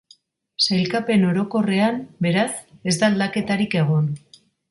Sailkapen orokorrean, beraz, ez da aldaketarik egon.